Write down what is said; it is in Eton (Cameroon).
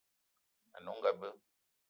Ane onga be.